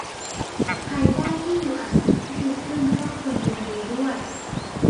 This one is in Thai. ใครได้ที่อยู่อาศัยที่ดีขึ้นก็ควรยินดีด้วย